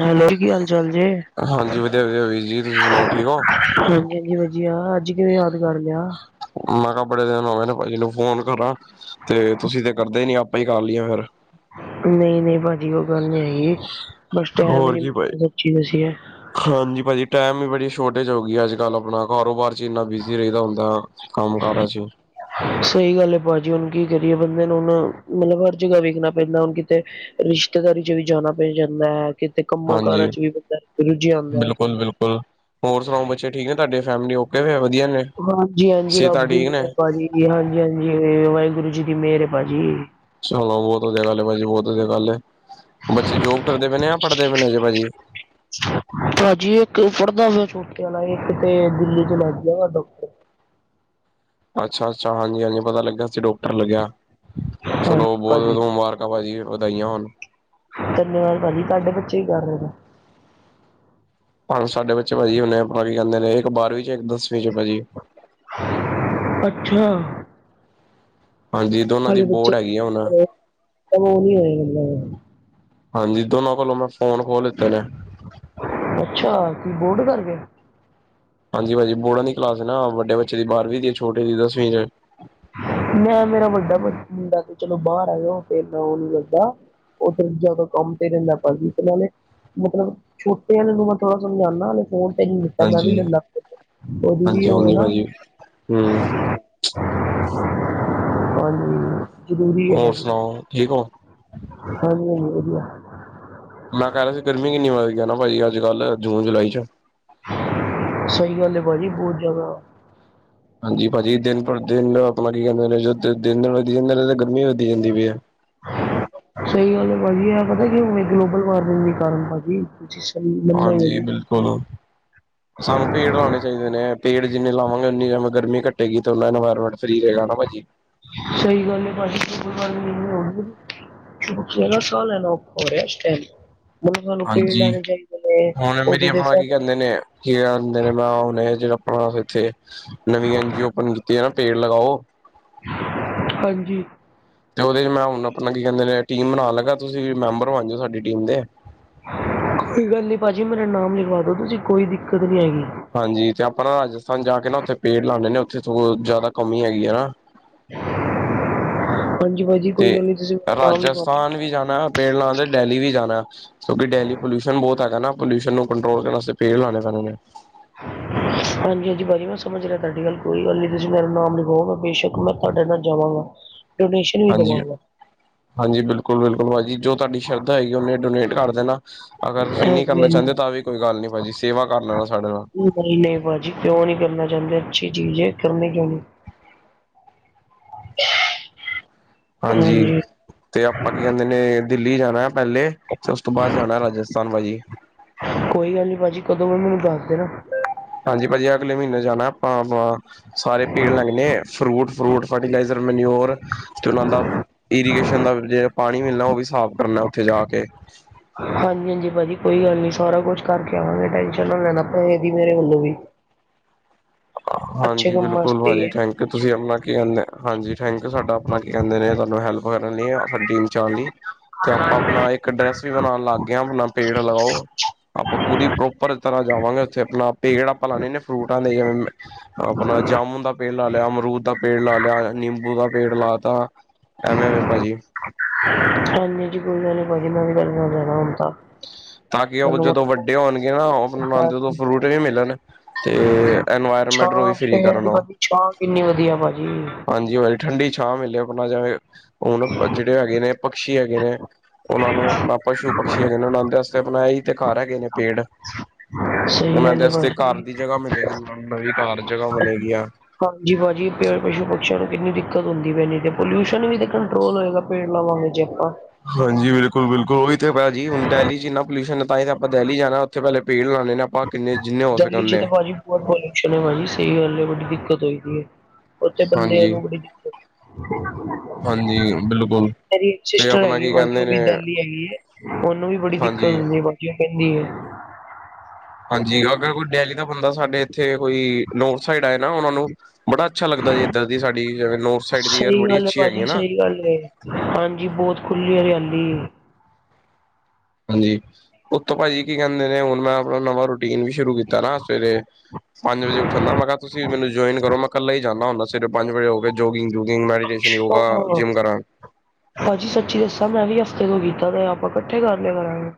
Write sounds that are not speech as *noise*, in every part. Hello ਹੋਰ ਕੀ ਹਾਲ ਚਾਲ ਜੀ? ਹਾਂਜੀ ਵਧੀਆ ਵਧੀਆ ਵੀਰ ਜੀ ਤੁਸੀਂ ਸੁਣਾਓ ਹਾਂਜੀ, ਠੀਕ ਹੋ ਹਾਂਜੀ ਵਧੀਆ, ਅੱਜ ਕਿਵੇਂ ਯਾਦ ਕਰ ਲਿਆ। ਮੈਂ ਕਿਹਾ, ਬੜੇ ਦਿਨ ਹੋ ਗਏ ਨੇ ਭਾਜੀ ਨੂੰ ਫ਼ੋਨ ਕਰਾਂ। ਤੇ ਤੁਸੀਂ ਤੇ ਕਰਦੇ ਹੀ ਨਹੀਂ, ਆਪੇ ਹੀ ਕਰ ਲਈਏ ਫਿਰ ਨਹੀਂ-ਨਹੀਂ ਭਾਜੀ, ਉਹ ਗੱਲ ਨਹੀਂ ਹੈਗੀ ਬੱਸ ਟਾਈਮ ਹੀ ਹੋਰ ਨਹੀਂ ਕੀ ਭਾਈ ਮਿਲਿਆ, ਸੱਚੀ ਦੱਸੀਏ। ਹਾਂਜੀ ਭਾਜੀ, ਟਾਈਮ ਦੀ ਬੜੀ ਸ਼ਾਰਟੇਜ ਹੋ ਗਈ ਹੈ ਅੱਜ ਕੱਲ ਆਪਣਾ ਕਾਰੋਬਾਰ ਜਿੰਨਾ ਬਿਜ਼ੀ ਰਹੀਦਾ ਹੁੰਦਾ ਕੰਮ-ਕਾਰਾਂ ਚ ਸਹੀ ਗੱਲ ਹੈ ਭਾਜੀ, ਹੁਣ ਕੀ ਕਰੀਏ। ਬੰਦੇ ਨੂੰ ਹੁਣ ਮਤਲਬ ਹਰ ਜਗ੍ਹਾ ਵੇਖਣਾ ਪੈਂਦਾ ਹੈ ਹੁਣ ਕਿਤੇ ਰਿਸ਼ਤੇਦਾਰੀ ਵਿੱਚ ਵੀ ਜਾਣਾ ਪੈ ਜਾਂਦਾ ਹੈ, ਕਿਤੇ ਕੰਮ-ਕਾਰਾਂ ਹਾਂਜੀ ਵਿੱਚ ਵੀ ਬੰਦਾ ਰੁਝਿਆ ਹੁੰਦਾ। ਬਿਲਕੁਲ, ਬਿਲਕੁਲ ਹੋਰ ਸੁਣਾਓ, ਬੱਚੇ ਠੀਕ ਨੇ ਤੁਹਾਡੇ ਫੈਮਿਲੀ ਓਕੇ ਵੇ ਵਧੀਆ ਫਿਰ ਹਾਂਜੀ ਹਾਂਜੀ ਰੱਬ ਦੀ ਮਹਰ ਭਾਜੀ ਹਾਂਜੀ ਹਾਂਜੀ ਵਾਹਿਗੁਰੂ ਜੀ ਦੀ ਮੇਹਰ ਏ ਭਾਜੀ। ਚਲੋ ਬਹੁਤ ਵਧੀਆ ਗੱਲ ਹੈ ਭਾਜੀ ਬਹੁਤ ਵਧੀਆ ਗੱਲ ਹੈ ਬੱਚੇ ਜੋਬ ਕਰਦੇ ਪਏ ਨੇ ਜਾਂ ਪੜ੍ਹਦੇ ਪਏ ਨੇ ਭਾਜੀ ਭਾਜੀ ਇਕ ਪੜਦਾ ਪਿਆ ਛੋਟੇ ਵਾਲਾ ਤੇ ਇਕ ਦਿੱਲੀ ਵਿੱਚ ਲੱਗ ਗਿਆ ਜੇ ਡਾਕਟਰ। ਅੱਛਾ ਅੱਛਾ ਹਾਂਜੀ ਹਾਂਜੀ ਪਤਾ ਲੱਗਿਆ ਸੀ ਡਾਕਟਰ ਲੱਗਿਆ ਚਲੋ ਹਾਂਜੀ ਬਹੁਤ ਭਾਜੀ ਬਹੁਤ ਮੁਬਾਰਕਾਂ। ਸ਼ਰਮਾ ਜੀ ਵਧਾਈਆਂ ਹੋਣ ਧੰਨਵਾਦ ਭਾਜੀ ਤੁਹਾਡੇ ਬੱਚੇ ਹੀ ਕਰ ਰਹੇ ਨੇ? ਭਾਜੀ ਸਾਡੇ ਬੱਚੇ ਭਾਜੀ ਹੁਣ ਆਪ ਕੀ ਕਹਿੰਦੇ ਨੇ ਇੱਕ ਬਾਰਵੀਂ ਚ ਇੱਕ ਦਸਵੀ ਚ ਭਾਜੀ। ਅੱਛਾ ਹਾਂਜੀ ਦੋਨਾਂ ਦੀ ਬੋਰਡ ਹੈਗੀ ਆ ਹੁਣ ਚਲ ਉਹ ਕੀ ਹੋਏ ਜਾਂਦੇ ਨੇ। ਹਾਂਜੀ ਦੋਨਾਂ ਕੋਲੋਂ ਮੈਂ ਫੋਨ ਖੋਹ ਲਿਤੇ ਨੇ ਅੱਛਾ ਕੀ ਬੋਰਡ ਕਰਕੇ ਹਾਂਜੀ ਭਾਜੀ ਬੋਰਡਾਂ ਦੀ ਕਲਾਸ ਐ ਨਾ ਵੱਡੇ ਬੱਚੇ ਦੀ ਬਾਰਵੀਂ ਦੀ ਛੋਟੇ ਦੀ ਦਸਵੀਂ ਦੀ ਐ। ਮੈਂ ਮੇਰਾ ਵੱਡਾ ਮੁੰਡਾ ਤੇ ਚਲੋ ਬਾਰ ਆਏ ਆਂ ਫੇਰ ਮੈਂ ਓਨੂੰ ਲੱਦਾ ਓਦਰ ਜਾਦਾ ਕੰਮ ਤੇ ਰੈਂਦਾ ਪਰਦੀਪ ਨਾਲੇ ਮਤਲਬ ਛੋਟੇਆਂ ਨੂੰ ਤਾਂ ਮੈਂ ਥੋੜ੍ਹਾ ਸਮਝਾਨਾ ਵੇ ਫੋਨ ਤੇ ਨੀ ਲਿਤਾ ਮੈਂ ਵੀ ਹਾਂਜੀ ਲੈਂਦਾ ਓਦੀ ਵੀ ਹਾਂਜੀ ਓਹੋ ਹਾਂਜੀ ਨਾ ਭਾਜੀ ਹੂੰ ਹਾਂਜੀ। ਹੋਰ ਸਨਾਓ ਠੀਕ ਓਂ ਹਾਂਜੀ-ਹਾਂਜੀ ਵਦੀਆ। ਮੈਂ ਕੈ ਰਿਆ ਸੀ ਗਰਮੀ ਕਿੰਨੀ ਵਧ ਗਈ ਨਾ ਭਾਜੀ ਅੱਜ-ਕੱਲ ਜੂਨ ਜਲਾਈ ਚ। ਸਈ ਗੱਲ ਏ ਭਾਜੀ ਬਹੁ ਜ਼ਾਦਾ। ਹਾਂਜੀ ਭਾਜੀ ਦਿਨ ਪਰ ਦਿਨ ਆਪਨਾ ਕੀ ਕੈਂਦੇ ਦੇ ਜੇ ਦਿਨ-ਦਿਨ ਵਦੀ ਜਾਂਦੇ ਨੇ ਤਾਂ ਗਰਮੀ ਵੀ ਵਦੀ ਜਾਂਦੀ ਪਈ ਐ। ਸਈ ਗੱਲ ਐ ਭਾਜੀ ਐਹ ਪਤਾ ਕਿਵੇ ਗਲੋਬਲ ਵਾਰਮਿੰਗ ਦੇ ਕਾਰਨ ਭਾਜੀ *unintelligible* ਮੰਨੋਗੇ ਹਾਂਜੀ ਜੀ ਬਿਲਕੁਲ ਸਾਨੂੰ ਪੇੜ ਲੌਣੇ ਚਾਈਦੇ ਨੇ ਪੇੜ ਜਿੰਨੇ ਲਵਾਂਗੇ ਓਨੀ ਜਵੇਂ ਗਰਮੀ ਘਟੇਗੀ ਤੇ ਓਨਾ ਇਨਵਾਰਮੈਂਟ ਸਈ ਰਹੇਗਾ ਨਾ ਭਾਜੀ। ਸਈ ਗੱਲ ਐ ਭਾਜੀ ਕੋਈ ਗੱਲ ਨੀ *unintelligible* *unintelligible* ਸਾਂਅ ਲੈ ਲੋ ਔਰ ਏਸ ਟੈਮ ਮਤਲਬ ਸਾਨੂੰ ਪੇੜ ਹਾਂਜੀ ਲਾਣੇ ਚਾਈਦੇ ਨੇ ਓਦੇ ਤੇ ਸਬ ਨਨ ਐ ਕੀ ਕਰ ਦਿੰਦੇ ਨੇ ਮੈਂ ਓਨੇ ਜੇੜਾ ਆਪਨਾ ਏਥੇ ਨਵੀਂ ਐਨ ਜੀ ਓ ਓਪਨ ਕੀਤੀ ਆ ਨਾ ਪੇੜ ਲਗਾਓ। ਹਾਂਜੀ। ਤੇ ਓਦੇ ਚ ਮੈਂ ਹੁਨ ਆਪਨਾ ਕੀ ਕੈਂਦੇ ਨੇ ਟੀਮ ਬਨਾਲਾਂਗਾ ਤੁਸੀਂ ਵੀ ਮੈਂਬਰ ਬਨ ਜੋ ਸਾਡੀ ਟੀਮ ਦੇ। ਕੋਈ ਗੱਲ ਨੀ ਭਾਜੀ ਮੇਰਾ ਨਾਮ ਲਿਖਵਾ ਦੋ ਤੁਸੀਂ ਕੋਈ ਦਿੱਕਤ ਨੀ ਹੈਗੀ। ਹਾਂਜੀ ਤੇ ਆਪਾਂ ਨਾ ਰਾਜਸਥਾਨ ਜਾ ਕੇ ਨਾ ਓਥੇ ਪੇੜ ਲਾਂਨੇ ਨੇ ਓਥੇ ਤੋ ਜ਼ਾਦਾ ਕਮੀ ਹੈਗੀ ਐ ਨਾ। ਹਾਂਜੀ ਭਾਜੀ ਤੇ ਕੋਈ ਗੱਲ ਨਹੀਂ ਤੁਸੀਂ ਮੇਰਾ ਨਾਮ ਲਿਖਵਾ ਦਿਓ ਰਾਜਸਥਾਨ ਵੀ ਜਾਨਾ ਪੇੜ ਲਾਨ ਤੇ ਡੈਲੀ ਵੀ ਜਾਨਾ। ਕਿਓਂਕਿ ਡੈਲੀ ਪੋਲਿਊਸ਼ਨ ਬੋਤ ਹੈਗਾ ਨਾ ਪੋਲਿਊਸ਼ਨ ਨੂੰ ਕੰਟਰੋਲ ਕਰਨ ਵਸਤੇ ਪੇੜ ਲਾਨੇ ਪੈਨੇ ਨੇ। ਹਾਂਜੀ-ਹਾਂਜੀ ਭਾਜੀ ਮੈਂ ਸਮਝ ਰਿਆ ਤਾਡੀ ਗੱਲ ਕੋਈ ਗੱਲ ਨੀ ਤੁਸੀਂ ਮੇਰਾ ਨਾਮ ਲਿਖਵਾਓ ਮੈਂ ਬੇਸ਼ੱਕ ਮੈਂ ਤਾਡੇ ਨਾਲ ਜਾਵਾਂਗਾ। ਡੋਨੇਸ਼ਨ ਵੀ ਹਾਂਜੀ ਦਵਾਂਗਾ। ਹਾਂਜੀ ਬਿਲਕੁਲ-ਬਿਲਕੁਲ ਭਾਜੀ ਜੋ ਤਾਡੀ ਸ਼ਰਧਾ ਹੈਗੀ ਓਨੇ ਡੋਨੇਟ ਕਰ ਦੇਨਾ ਅਗਰ ਤੁਸੀਂ ਨਈ ਹਾਂਜੀ ਕਰਨਾ ਹਾਂਜੀ ਚਾਂਦੇ ਤਾਂ ਵੀ ਕੋਈ ਗੱਲ ਨੀ ਭਾਜੀ ਸੇਵਾ ਕਰ ਲੈਨਾ ਸਾਡੇ ਨਾਲ। ਨਈ-ਨਈ ਭਾਜੀ ਕਿਓਂ ਨੀ ਕਰਨਾ ਚਾਂਦੇ ਅੱਛੀ ਚੀਜ਼ ਐ ਕਰਨੀ ਕਿਓਂ ਨੀ। ਹਾਂਜੀ ਤੇ ਆਪਾਂ ਕੀ ਕੈਂਦੇ ਨੇ ਦਿੱਲੀ ਜਾਨੈ। ਪੈਲੇ ਤੇ ਉਸ ਤੋਂ ਬਾਦ ਜਾਨਾ ਰਾਜਸਥਾਨ ਭਾਜੀ। ਕੋਈ ਗੱਲ ਨੀ ਭਾਜੀ ਕਦੋਂ ਵੀ ਮੈਨੂੰ ਦੱਸ ਦੇਨਾ। ਹਾਂਜੀ ਭਾਜੀ ਅਗਲੇ ਮੀਨੇ ਜਾਨਾ ਆਪਾਂ ਹਾਂ-ਹਾਂ। ਸਾਰੇ ਪੇੜ ਲੱਗਨੇ ਐ ਫਰੂਟ-ਫਰੂਟ ਫਰਟੀਲਾਈਜ਼ਰ ਮਨਿਓਰ ਤੇ ਓਨਾਂ ਦਾ ਇਰੀਗੇਸ਼ਨ ਦਾ ਜੇੜਾ ਪਾਨੀ ਮਿਲਨਾ ਓ ਵੀ ਸਾਫ਼ ਕਰਨਾ ਓਥੇ ਜਾ ਕੇ। ਹਾਂਜੀ-ਹਾਂਜੀ ਭਾਜੀ ਕੋਈ ਗੱਲ ਨੀ ਸਾਰਾ ਕੁਛ ਕਰਕੇ ਆਵਾਂਗੇ ਟੈਸ਼ਨ ਨਾ ਲੈਨਾ ਪੈਹੇ ਦੀ ਮੇਰੇ ਵੱਲੋਂ ਵੀ। ਅੱਛੇ ਹਾਂਜੀ ਕੰਮਾਂ ਬਿਲਕੁਲ ਆਸਤੇ ਈ ਭਾਜੀ ਐ ਥੈਂਕ ਤੁਸੀਂ ਆਪਨਾ ਕੀ ਹੁੰਦੈ ਹਾਂਜੀ ਥੈਂਕ ਸਾਡਾ ਆਪਨਾ ਕੀ ਕੈਂਦੇ ਨੇ ਤਾਨੂੰ ਹੈਲਪ ਕਰਨ ਲਈ ਸਾਡੀ ਟੀਮ ਚ ਆਣ ਲਈ ਤੇ ਆਪਾਂ ਆਪਨਾ ਇੱਕ ਡਰੈਸ ਵੀ ਬਨਾਨ ਲਾਗੇ ਆਂ ਆਪਨਾ ਪੇੜ ਲਗਾਓ ਆਪਾਂ ਪੂਰੀ ਪ੍ਰੋਪਰ ਤਰ੍ਹਾਂ ਜਾਵਾਂਗੇ ਓਥੇ ਆਪਨਾ ਪੇੜ ਆਪਾਂ ਲਾਨੇ ਨੇ ਫਰੂਟਾਂ ਦੇ ਜਿਵੇਂ ਆਪਣਾ ਜਾਮੁਨ ਦਾ ਪੇੜ ਲਾ ਲਿਆ, ਅਮਰੂਦ ਦਾ ਪੇੜ ਲਾ ਲਿਆ, ਨਿੰਬੂ ਦਾ ਰੇਟ ਲਾ ਤਾ ਐਵੇਂ ਵ ਭਾਜੀ ਹਾਂਜੀ ਹਾਂਜੀ ਕੋਈ ਗੱਲ ਨਹੀਂ ਭਾਅਜੀ ਮੈਂ ਵੀ ਗ ਨਾਲ ਜਾਣਾ ਹੁਣ ਤਾਂ ਤਾਂ ਕਿ ਉਹ ਮੈਨੂੰ ਜਦੋਂ ਮਤਲਬ ਬਹੁਤ ਵੱਡੇ ਹੋਣਗੇ ਨਾ, ਉਹ ਆਪਣਾ ਲਾਂਦੇ ਉਦੋਂ ਹਾਂਜੀ, ਫਰੂਟ ਵੀ ਮਿਲਣ ਤੇ ਇਨਵਾਇਰਮੈਂਟ ਨੂੰ ਵੀ ਛਾਂ ਫਰੀ ਪੇੜ ਕਰਨ ਦੀ ਉਹ ਭਾਜੀ ਛਾਂ ਕਿੰਨੀ ਵਧੀਆ ਭਾਜੀ ਹਾਂਜੀ ਭਾਜੀ ਠੰਡੀ ਛਾਂ ਮਿਲੇ, ਆਪ ਜਵੇਂ ਹੁਣ ਜਿਹੜੇ ਹੈਗੇ ਨੇ ਪਕਛੀ ਹੈਗੇ ਨੇ। ਉਹਨਾਂ ਨੂੰ ਆਪਣਾ ਪਸ਼ੂ ਪਕਛੀ ਹੈਗੇ ਨੇ, ਉਹ ਵਾਸਤੇ ਆਪਣਾ ਹੀ ਤੇ ਘਰ ਹੈਗੇ ਨੇ ਪੇੜ। ਸਹੀ ਉਹਨਾਂ ਗੱਲ ਦੇ ਏ ਵਾਸਤੇ ਘਰ ਭਾਜੀ। ਦੀ ਜਗ੍ਹਾ ਮਿਲੇਗੀ ਨੂੰ ਨਵੀਂ ਘਰ ਜਗ੍ਹਾ ਮਿਲੇਗੀਆਂ। ਹਾਂਜੀ ਭਾਜੀ ਪਸ਼ੂ ਪਕਛੀਆਂ ਨੂੰ ਕਿੰਨੀ ਦਿੱਕਤ ਹੁੰਦੀ ਪੈਣੀ ਤੇ ਪੋਲਿਊਸ਼ਨ ਵੀ ਤੇ ਕੰਟਰੋਲ ਹੋਏਗਾ ਪੇੜ ਲਾਵਾਗੇ ਜੇ ਆਪਾਂ। ਹਾਂਜੀ ਬਿਲਕੁਲ, ਬਿਲਕੁਲ ਉਹ ਵੀ ਤਾਂ ਭਾਅ ਜੀ ਹੁਣ ਦਿੱਲੀ ਚ ਇਨਾ ਪੋਲਿਊਸ਼ਨ ਹੈ ਤਾਂ ਹੀ ਤਾਂ ਆਪਾਂ ਦਿੱਲੀ ਜਾਣਾ ਉੱਥੇ ਪਹਿਲੇ ਪੇੜ ਲਉਂਦੇ ਨੇ। ਆਪਾਂ ਕਿੰਨੇ ਜਿੰਨੇ ਹੋ ਸਕੇ ਦਿੱਲੀ ਚ ਉਨੇ ਤਾਂ ਭਾਜੀ ਬਹੁਤ ਪਲਿਊਸ਼ਨ ਹੈ, ਸਹੀ ਗੱਲ ਬੜੀ ਦਿੱਕਤ ਹੋਈ ਹੈ। ਉੱਥੇ ਬੰਦਿਆਂ ਹਾਂਜੀ ਨੂੰ ਬੜੀ ਦਿੱਕਤ। ਕਿ ਨਾ ਕੁਣਾ ਹਾਂਜੀ ਬਿਲਕੁਲ ਮੇਰੀ ਇਕ ਤੇ ਸਿਸਟਰ ਆਪਣਾ ਹੈਗੀ ਕੀ ਭਾਜੀ ਕਹਿੰਦੇ ਉਹ ਨੇ ਵੀ ਦਿੱਲੀ ਹੈਗੀ ਹੈ, ਉਹਨੂੰ ਵੀ ਬੜੀ ਦਿੱਕਤ ਹਾਂਜੀ ਹੁੰਦੀ ਹੈ ਭਾਜੀ, ਉਹ ਕਹਿੰਦੀ ਹੈ। ਹਾਂਜੀ ਅਗਰ ਕੋਈ ਦਿੱਲੀ ਦਾ ਬੰਦਾ ਸਾਡੇ ਇੱਥੇ ਕੋਈ ਨੋਰਥ ਸਾਈਡ ਆਏ ਨਾ ਉਹਨਾਂ ਨੂੰ ਬੜਾ ਅੱਛਾ ਲੱਗਦਾ ਜੀ, ਇੱਧਰ ਦੀ ਸਾਡੀ ਜਿ ਨੋਰਥ ਸਾਈਡ ਦੀ ਸਹੀ ਬੜੀ ਗੱਲ ਅੱਛੀ ਹੈਗੀ ਭਾਜੀ ਹੈ ਨਾ। ਸਹੀ ਗੱਲ ਹਾਂਜੀ ਬਹੁਤ ਖੁੱਲੀ ਹੈ ਹਰਿਆਲੀ ਹਾਂਜੀ, ਉੱਥੋਂ ਭਾਜੀ ਕੀ ਕਹਿੰਦੇ ਨੇ, ਹੁਣ ਮੈਂ ਆਪਣਾ ਨਵਾਂ ਰੂਟੀਨ ਵੀ ਸ਼ੁਰੂ ਕੀਤਾ ਨਾ ਸਵੇਰੇ। ਪੰਜ ਵਜੇ ਉਠਣ ਦਾ, ਮੈਂ ਕਿਹਾ ਤੁਸੀਂ ਮੈਨੂੰ ਜੁਆਇਨ ਕਰੋ ਮੈਂ ਕੱਲਾ ਹੀ ਜਾਂਦਾ ਹੁੰਦਾ। ਸਵੇਰੇ ਪੰਜ ਵਜੇ ਹੋ ਕੇ ਜੋਗਿੰਗ ਜੂਗਿੰਗ ਮ ਹਾਂ ਭਾਜੀ ਸੱਚੀ ਦੱਸਾਂ ਮੈਂ ਵੀ ਹਫ਼ਤੇ ਤੋਂ ਕੀਤਾ ਤੇ ਆਪਾਂ ਇਕੱਠੇ ਕਰ ਲਿਆ ਕਰਾਂਗੇ।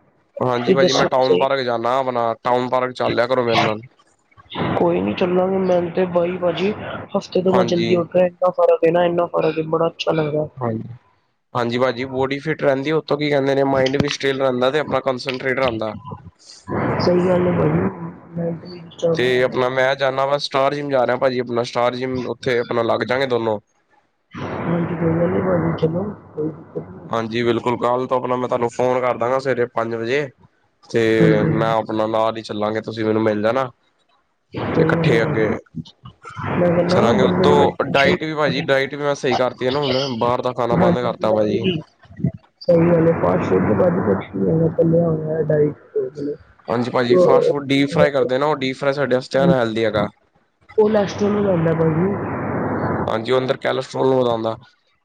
ਹਾਂਜੀ ਤੁਸੀਂ ਭਾਜੀ ਦੱਸੋ ਮੈਂ ਤਾਂ ਟਾਊਨ ਸਹੀ ਪਾਰਕ ਜਾਂਦਾ ਆਪਣਾ, ਟਾਊਨ ਪਾਰਕ ਚੱਲ ਲਿਆ ਕਰੋ ਮੇਰੇ ਨਾਲ ਕੋਈ ਨੀ ਚੱਲਾਂਗੇ ਮੈਂ ਤੇ ਬਾਈ ਭਾਜੀ ਹਫ਼ਤੇ ਤੋਂ ਮੈਂ ਜਲਦੀ ਹਾਂਜੀ ਉਠ ਇੰਨਾ ਫਰਕ ਹੈ ਨਾ ਇੰਨਾ ਬੜਾ ਅੱਛਾ ਲੱਗਦਾ ਹਾਂਜੀ ਹਾਂਜੀ ਭਾਜੀ ਬੋਡੀ ਫਿਟ ਰਹਿੰਦੀ ਕੀ ਕਹਿੰਦੇ ਨੇ ਮਾਇੰਡ ਵੀ ਸਟੇਲ ਰਹਿੰਦਾ, ਤੇ ਆਪਣਾ ਕੰਸਟਰੇਟ ਰਹਿੰਦਾ। ਸਹੀ ਗੱਲ ਹੈ ਭਾਜੀ, ਮੈਂ ਤੇ ਬੀ ਤੇ ਆਪਣਾ ਮੈਂ ਜਾਂਦਾ ਵਾ ਸਟਾਰ ਜਿੰਮ ਜਾ ਰਿਹਾ, ਭਾਜੀ ਆਪਣਾ ਸਟਾਰ ਜਿੰਮ ਉੱਥੇ ਆਪਣਾ ਲੱਗ ਜਾਗੇ ਦੋਨੋ। ਹਾਂਜੀ, ਕੋਈ ਗੱਲ ਨੀ ਭਾਜੀ ਚੱਲੋ ਕੋਈ ਦਿੱਕਤ ਨਹੀਂ। ਹਾਂਜੀ ਬਿਲਕੁਲ, ਕੱਲ ਤੋਂ ਆਪਣਾ ਮੈਂ ਤੁਹਾਨੂੰ ਫੋਨ ਕਰ ਦਾਂਗਾ ਸਵੇਰੇ ਪੰਜ ਵਜੇ ਤੇ ਨਹੀਂ ਮੈਂ ਹਾਂਜੀ ਆਪਣਾ ਨਾਲ ਹੀ ਚੱਲਾਂਗੇ ਤੁਸੀਂ ਮੈਨੂੰ ਮਿਲ ਲੈਣਾ। ਕਰਾਂਗੇ ਉਤੋਂ ਡਾਇਟ ਵੀ ਭਾਜੀ ਡਾਇਟ ਵੀ ਮੈਂ ਸਹੀ ਕਰਤੀ ਹੈ ਨਾ ਹੁਣ ਬਾਹਰ ਦਾ ਖਾਣਾ ਬੰਦ ਕਰਤਾ ਭਾਜੀ। *unintelligible* ਬ *unintelligible* *unintelligible* ਹਾਂਜੀ ਭਾਜੀ ਫਾਸਟ ਤੋਂ ਫੂਡ ਡੀਪ ਫਰਾਈ ਮਤਲਬ ਕਰਦੇ ਨਾ ਉਹ ਡੀਪ ਫਰਾਈ ਸਾਡੇ ਵਾਸਤੇ ਅਨ ਹੈਲਦੀ ਹੈਗਾ। ਉਹਓ ਲੈਸਟੋ ਨੂੰ ਲੈਂਦਾ ਭਾਈ ਜੀ ਹਾਂਜੀ ਉਹ ਅੰਦਰ ਕੈਲਸਟ੍ਰੋਲ ਨੂੰ ਵਧਾਉਂਦਾ,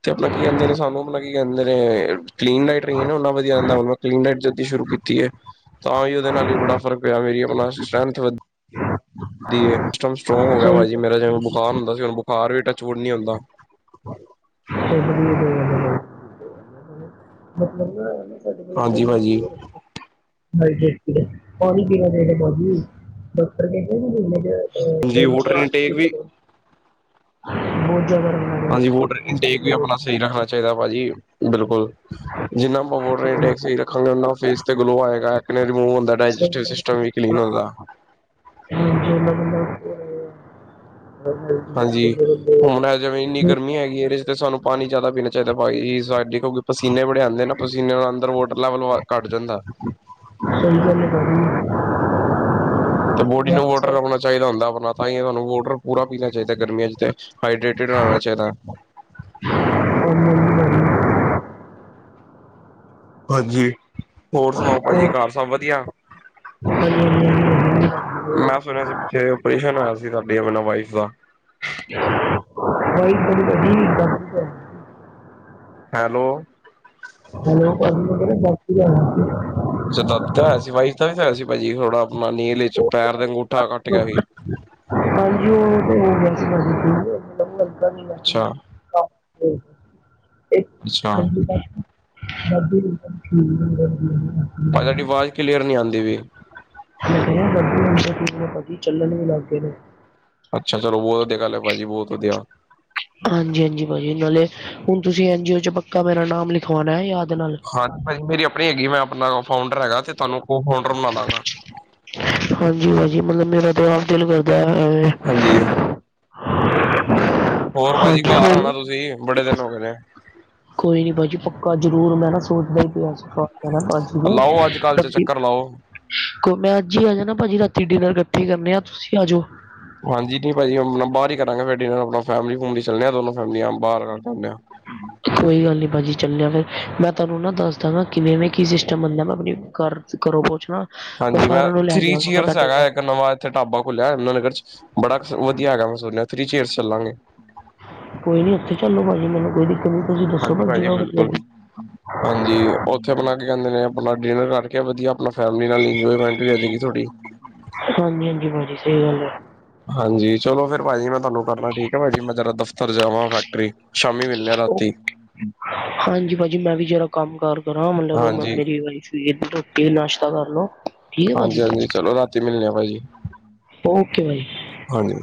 ਤੇ ਆਪਣਾ ਕੀ ਕਹਿੰਦੇ ਨੇ, ਸਾਨੂੰ ਮਤਲਬ ਕੀ ਕਹਿੰਦੇ ਨੇ। ਕਲੀਨ ਲਾਈਟ ਰਹੀ ਨੇ ਨਾ ਉਹਨਾ ਵਧੀਆ ਰਹਿੰਦਾ, ਹੁਣ ਮੈਂ ਕਲੀਨ ਲਾਈਟ ਜਦੀ ਸ਼ੁਰੂ ਕੀਤੀ ਹੈ ਤਾਂ ਵੀ ਉਹਦੇ ਨਾਲ ਵੀ ਬੜਾ ਫਰਕ। ਵੀ ਮੇਰੀ ਆਪਣਾ ਸਟਰੈਂਥ ਵਧੀਆ। ਦੀ ਸਟਮ ਸਟਰੋਂਗ ਹੋ ਗਿਆ ਸਹੀ ਭਾਜੀ ਗੱਲ ਮੇਰਾ ਜਿਵੇਂ ਹੈ, ਬੁਖਾਰ ਹੁੰਦਾ ਸੀ ਬੁਖਾਰ ਵੀ ਟੱਚਬੁਡ ਨੀ ਹੁੰਦਾ। *unintelligible* ਹਾਂਜੀ ਭਾਜੀ *unintelligible* ਪਾਣੀ ਪੀਣਾ ਚਾਈਦਾ ਭਾਜੀ, ਡਾਕਟਰ ਨੇ ਕੇਆ ਏ ਮਹੀਨੇ ਚ ਹਾਂਜੀ ਦਿਨ ਚ ਵੋਟਰ ਆਈ ਇਨਟੇਕ ਲਿਟਰ ਵੀ ਬੋਤ ਜਾਦਾ ਵੀ ਹਾਂਜੀ ਵੋਟਰ ਇਂਟੇਕ ਵੀ ਆਪਣਾ ਸਹੀ ਰੱਖਣਾ ਚਾਹੀਦਾ ਭਾਜੀ ਬਿਲਕੁਲ ਜਿੰਨਾ ਆਪਾਂ ਵੋਟਰ ਇਂਟੈਕਸ ਸਹੀ ਰੱਖਾਂਗੇ ਓਨਾ ਫੇਸ ਤੇ ਗਲੋ ਆਇ ਐਕਨੇ ਰਿਮੂਵ ਹੁੰਦਾ ਡਾਇਜੈਸਟਿਵ ਸਿਸਟਮ ਵੀ ਕਲੀਨ ਹੁੰਦਾ। ਬੰਡੇ ਹਾਂਜੀ ਵਡੇ *unintelligible* ਹੁਣ ੲੈ ਤੇ ਵੇ ਏਨੀ-ਗ ਗਰਮੀ ਹੈਗੀ ਇਹਦੇ ਚ ਤੇ ਸਾਨੂੰ ਪਾਣੀ ਜ਼ਿਆਦਾ ਪੀਣਾ ਚਾਈਦਾ ਭਾਜੀ ਸਾਡੇ ਪਸੀਨੇ ਬੜੇ ਆਂਦੇ ਨਾ। ਪਸੀਨੇ ਨਾਲ ਅੰਦਰ ਵੋਟਰ ਲੈਵਲ ਵ ਘੱਟ ਜਾਂਦਾ ੲੈ। ਸਈ ਗਲ ਏ ਭਾਜੀ। ਤੇ ਬੋਡੀ ਨੂੰ ਵੋਟਰ ਅਪਣਾ ਚਾਹੀਦਾ ਹੁੰਦਾ ਆਪਣਾ ਤਾਂ ਹੀ ਤੁਹਾਨੂੰ ਵੋਟਰ ਪੂਰਾ ਪੀਣਾ ਚਾਹੀਦਾ ਗਰਮੀਆਂ ਚ ਤੇ, ਹਾਈਡਰੇਟਿਡ ਰੈਣਾ ਚਾਈਦਾ ੲੈ। ਹਾਂਜੀ ਹੋਰ ਸੁਣਾਓ ਭਾਜੀ ਘਾਰ ਸਭ ਵਧੀਆ। ਮੈਂ ਸੁਣਿਆ ਸੀ ਪਿੱਛੇ ਓਪਰੇਸ਼ਨ ਹੋਇਆ ਸੀ ਤੁਹਾਡੀ ਅਪਣੀ ਵਾਈਫ ਦਾ। *unintelligible* ਹੈਲੋ ਹੈਲੋ ਭਾਜੀ ਮੈ ਕੈ ਰੇਆ ਸੀ ਅਛਾ ਦਾਦੀ ਦਾ ਹੋਇਆ ਸੀ, ਵਾਈਫ ਦਾ ਵੀ ਹੋਇਆ ਸੀ ਭਾਜੀ ਥੋੜਾ ਆਪਣਾ ਨੀਲ ਚ ਪੈਰ ਤੇ ਅੰਗੂਠਾ ਕੱਟ ਗਿਆ ਸੀ। ਹਾਂਜੀ ਉ ਤੇ ਹੋ ਗਿਆ ਸੀ ਅੱਛਾ ਅੱਛਾ *unintelligible* *unintelligible* ਦਾਦੀ ਵੀ ਸਬ ਠੀਕ ਨੇ ਹੁਣ ਵਧੀਆ। ਭਾਜੀ ਤੁਹਾਡੀ ਆਵਾਜ਼ ਕਲੀਅਰ ਨੀ ਆਂਦੀ ਵੀ। ਮੈਂ ਕੈ ਰੇਆ ਦਾਦੀ ਹੁਣ ਤਾਂ ਠੀਕ ਨੇ ਭਾਜੀ ਹੁਣ ਤੇ ਚੱਲਣ ਵੀ ਲੱਗ ਗਏ ਨੇ। ਅੱਛਾ ਚਲੋ ਬੋਤ ਵਧੀਆ ਗਲ ਏ ਭਾਜੀ, ਬੋਤ ਵਧੀਆ। ਹਾਂਜੀ ਹਾਂਜੀ ਭਾਜੀ ਨਾਲੇ ਹੁਣ ਤੁਸੀਂ ਐਨ ਜੀ ਓ ਚ ਪੱਕਾ ਮੇਰਾ ਨਾਮ ਲਿਖਵਾਣਾ ਯਾਦ ਨਾਲ ਹਾਂਜੀ ਭਾਅਜੀ ਮੇਰੀ ਆਪਣੀ ਹੈਗੀ, ਮੈਂ ਆਪਣਾ ਫਾਊਂਡਰ ਹੈਗਾ ਤੇ ਤੁਹਾਨੂੰ ਕੋ ਫਾਊਂਡਰ ਬਣਾ ਦਾਂਗਾ। ਹਾਂਜੀ ਭਾਜੀ ਮਤਲਬ ਮੇਰਾ ਤਾਂ ਆਪ ਦਿਲ ਕਰਦਾ ਏ ਐਵੇਂ ਹਾਂਜੀ ਹੋਰ ਭਾਜੀ ਹਾਂਜੀ ਘਰ ਆਣਾ ਹੋਰ ਤੁਸੀਂ ਬੜੇ ਦਿਨ ਹੋ ਗਏ ਨੇ। ਕੋਈ ਨੀ ਭਾਜੀ ਪੱਕਾ ਜ਼ਰੂਰ ਮੈਂ ਨਾ ਸੋਚਦਾ ਈ ਪਿਆਸੀ। ਜਾਣਾ ਏ ਭਾਜੀ ਲਾਓ ਅੱਜ ਕੱਲ੍ਹ 'ਚ ਵਲ ਚੱਕਰ ਲਾਓ। *inaudible* ਕਹੋ ਮੈਂ ਅੱਜ ਹੀ ਆ ਜਾਣਾ ਭਾਜੀ ਰਾਤੀ ਡਿਨਰ ਇਕੱਠੇ ਕਰਨੇ ਆ ਤੁਸੀਂ ਆ ਜਾਓ ਹਾਂਜੀ ਨਹੀਂ ਭਾਜੀ ਆਪਣਾ ਬਾਹਰ ਹੀ ਕਰਾਂਗੇ ਫਿਰ ਡਿਨਰ, ਆਪਣਾ ਫੈਮਲੀ ਫੂਮਲੀ ਚੱਲਨੇ ਆਂ ਦੋਨੋ ਫੈਮਲੀਆਂ ਬਾਹਰ ਕਰਕੇ ਆਉਨੇ ਆ। ਹ *inaudible* ਕੋਈ ਗੱਲ ਨਹੀਂ ਭਾਅ ਜੀ ਚੱਲਦੇ ਆ ਫਿਰ, ਮੈਂ ਤੁਹਾਨੂੰ ਨਾ ਦੱਸ ਦਾਂ ਕਿਵੇਂਵੇਂ ਕੀ ਸਿਸਟਮ ਬਣਦਾ ਮੈਂ ਆਪਣੀ ਘਰ ਘਰੋਂ ਪੋਛ ਲਾ‌ ਹਾਂਜੀ ਮੈਂ ਥ੍ਰੀ ਚੀਅਰਸ ਹੈਗਾ ਹੈ ਇੱਕ ਘਰ ਨਵਾਂ ਇਥੇ ਢਾਬਾ ਖੁਲਿਆ ਏ ਯਮੁਨਾਨਗਰ ਚ ਬੜਾ ਵਧੀਆ ਹੈਗਾ ਮੈਂ ਸੁਣਿਆ ਥ੍ਰੀ ਚੇਅਰਸ ਚੱਲਾਂਗੇ। ਕੋਈ ਨੀ ਉੱਥੇ ਚੱਲੋ ਭਾਜੀ ਮੈਨੂੰ ਕੋਈ ਦਿੱਕਤ ਨੀ ਤੁਸੀਂ ਦੱਸੋ ਹਾਂਜੀ ਬਸ ਭਾਜੀ ਜਗ੍ਹਾ ਵਧੀਆ ਬਿਲਕੁਲ ਜੀ। ਹਾਂਜੀ ਉੱਥੇ ਅਪਣਾ ਕੀ ਕੈਂਦੇ ਨੇ ਆਪਣਾ ਡਿਨਰ ਕਰਕੇ ਵਧੀਆ ਆਪਣਾ ਫੈਮਲੀ ਨਾਲ ਇੰਜੋਏਮੈਂਟ ਵੀ ਹੋ ਜਾਏਗੀ ਥੋੜ੍ਹੀ। ਹਾਂਜੀ ਹਾਂਜੀ ਭਾਜੀ ਸਹੀ ਗੱਲ ਏ। ਹਾਂਜੀ ਚਲੋ ਫਿਰ ਭਾਜੀ ਮੈਂ ਤੁਹਾਨੂੰ ਕਰਨਾ ਠੀਕ ਏ ਭਾਜੀ, ਮੈਂ ਜਰਾ ਦਫ਼ਤਰ ਜਾਵਾਂ ਫੈ ਟਰੀ ਸ਼ਾਮੀ ਮਿਲਣੇ ਆ ਉਹ ਰਾਤੀ ਹਾਂਜੀ ਭਾਜੀ ਮੈਂ ਵੀ ਜਰਾ ਕੰਮ ਕਾਰ ਕਰਾਂ ਮਤਲਬ ਹਾਂਜੀ ਮੇਰੀ ਵਾਇਫ ਸਵੇਰ ਦੀ ਰੋਟੀ ਔਰ ਨਾਸ਼ਤਾ ਕਰ ਲਓ। ਠੀਕ ਹੈ ਹਾਂਜੀ- ਭਾਜੀ ਹਾਂਜੀ ਚਲੋ ਰਾਤੀ ਮਿਲਣੇ ਆ ਭਾਜੀ, ਓਕੇ ਭਾਜੀ ਹਾਂਜੀ।